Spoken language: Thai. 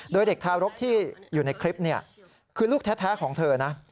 โดยเด็กทารกที่อยู่ในคลิปเนี่ยคือลูกแท้ของเธอนะ